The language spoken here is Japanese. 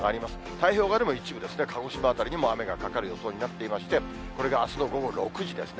太平洋側でも一部、鹿児島辺りにも雨がかかる予想になっていまして、これがあすの午後６時ですね。